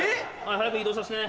早く移動させてね。